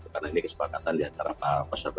karena ini kesepakatan diantara peserta